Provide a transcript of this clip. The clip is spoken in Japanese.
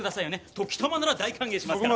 時たまなら大歓迎しますから。